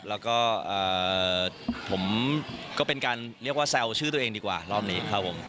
แล้วก็ผมก็เป็นการเรียกว่าแซวชื่อตัวเองดีกว่ารอบนี้ครับผม